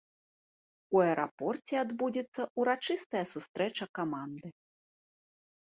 У аэрапорце адбудзецца ўрачыстая сустрэча каманды.